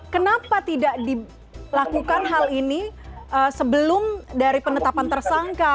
kenapa tidak dilakukan hal ini sebelum dari penetapan tersangka